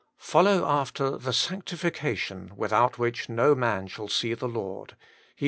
Follow after the sanctifcation without which no man shall see the Lord.' HEB.